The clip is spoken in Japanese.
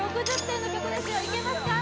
６０点の曲ですよいけますか？